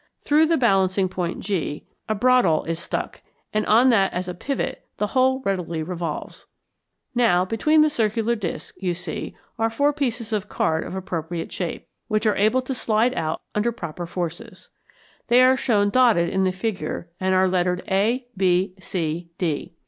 Through the balancing point G a bradawl is stuck, and on that as pivot the whole readily revolves. Now, behind the circular disks, you see, are four pieces of card of appropriate shape, which are able to slide out under proper forces. They are shown dotted in the figure, and are lettered A, B, C, D.